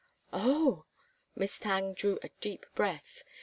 "Oh!" Miss Thangue drew a deep breath.